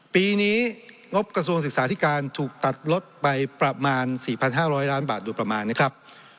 ปีนี้งบกระทรวงศึกษาธิการถูกตัดลดไปประมาณ๔๕๐๐ล้านบาทโดยประมาณนะครับ